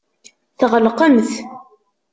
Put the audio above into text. Tɣelqemt.